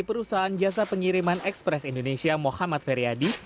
perusahaan jasa pengiriman ekspres indonesia muhammad feryadi